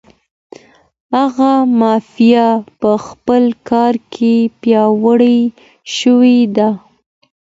هغه مافیا په خپل کار کې پیاوړې شوې ده.